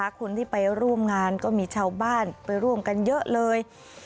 คนที่ไปร่วมงานก็มีชาวบ้านไปร่วมกันเยอะเลย